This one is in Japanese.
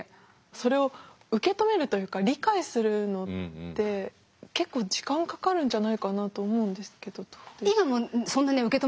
それを受け止めるというか理解するのって結構時間かかるんじゃないかなと思うんですけど？